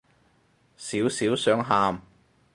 少少想喊